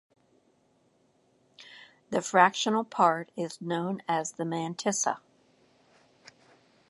The fractional part is known as the mantissa.